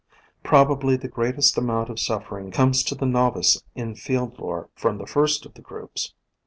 Prob ably the greatest amount of suffering comes to the novice in field lore from the first of the groups.